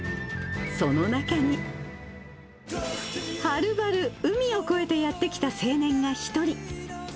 その中に、はるばる海を越えてやって来た青年が１人。